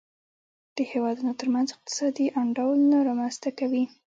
د هېوادونو ترمنځ اقتصادي انډول نه رامنځته کوي.